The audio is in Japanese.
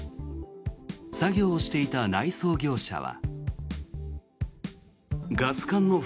作業をしていた内装業者は。